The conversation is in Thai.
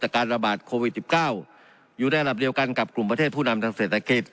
การระบาดโควิด๑๙อยู่ในระดับเดียวกันกับกลุ่มประเทศผู้นำทางเศรษฐกิจ